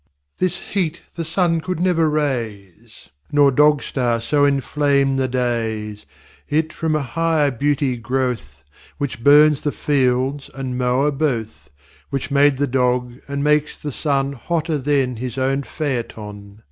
III This heat the Sun could never raise, Nor Dog star so inflame's the dayes. It from an higher Beauty grow'th, Which burns the Fields and Mower both: Which made the Dog, and makes the Sun Hotter then his own Phaeton.